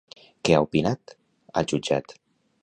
Què ha opinat al jutjat?